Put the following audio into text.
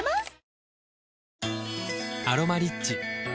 「アロマリッチ」